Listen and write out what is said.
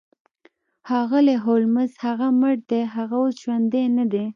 ښاغلی هولمز هغه مړ دی هغه اوس ژوندی ندی